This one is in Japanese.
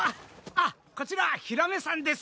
あっこちらヒラメさんです。